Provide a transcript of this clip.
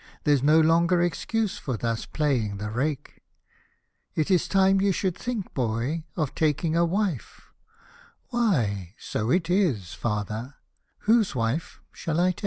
There's no longer excuse for thus playing the rake — It is time you should think, boy, of taking a wife "—" Why, so it is, father — whose wife shall I take